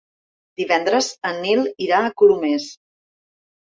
Divendres en Nil irà a Colomers.